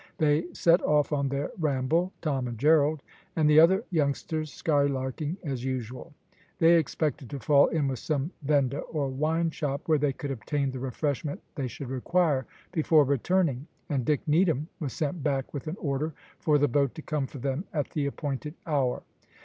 They set off on their ramble, Tom and Gerald, and the other youngsters, skylarking as usual. They expected to fall in with some venda, or wine shop, where they could obtain the refreshment they should require before returning, and Dick Needham was sent back with an order for the boat to come for them at the appointed hour.